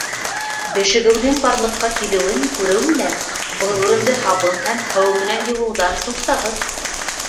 Бешегеүҙең барлыҡҡа килеүен күреү менән, был урынды һабын һәм һыу менән йыуыуҙан туҡтағыҙ.